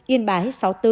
yên bái sáu mươi bốn